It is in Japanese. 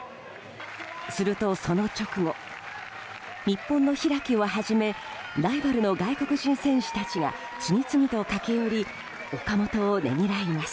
すると、その直後日本の開をはじめライバルの外国人選手たちが次々と駆け寄り岡本をねぎらいます。